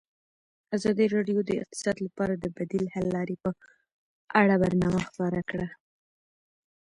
ازادي راډیو د اقتصاد لپاره د بدیل حل لارې په اړه برنامه خپاره کړې.